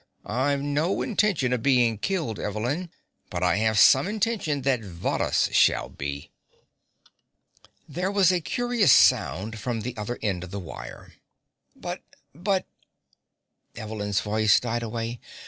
"I've no intention of being killed, Evelyn, but I have some intention that Varrhus shall be." There was a curious sound from the other end of the wire. "But but " Evelyn's voice died away.